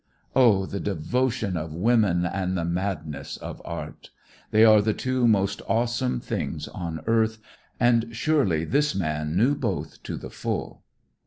O, the devotion of women and the madness of art! They are the two most awesome things on earth, and surely this man knew both to the full.